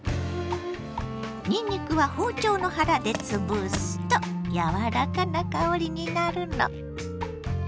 にんにくは包丁の腹でつぶすとやわらかな香りになるの。